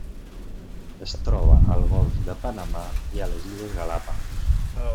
Es troba al Golf de Panamà i a les Illes Galápagos.